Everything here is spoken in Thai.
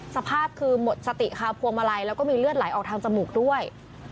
สภาพคือหมดสติค่ะพวงมาลัยแล้วก็มีเลือดไหลออกทางจมูกด้วย